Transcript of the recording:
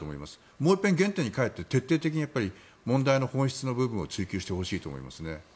もう一遍原点に返って徹底的に問題の本質の部分を追及してほしいと思います。